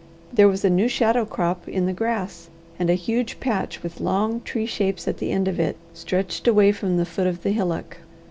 There was a new shadow crop in the grass, and a huge patch with long tree shapes at the end of it, stretched away from the foot of the hillock.